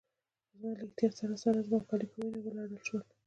خو زما له احتیاط سره سره زما کالي په وینو ولړل شول.